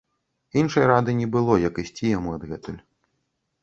Іншай рады не было, як ісці яму адгэтуль.